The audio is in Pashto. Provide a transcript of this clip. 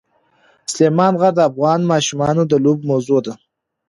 سلیمان غر د افغان ماشومانو د لوبو موضوع ده.